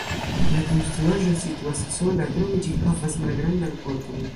La konstruaĵo situas sola, krome ĝi havas malgrandan korton.